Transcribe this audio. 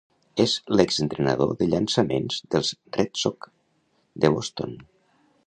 És l'exentrenador de llançaments dels Red Sox de Boston.